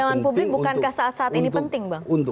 pandangan publik bukankah saat saat ini penting bang